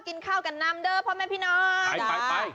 กินข้ากันน้ำเด้อพ่อยแม่พี่น้อย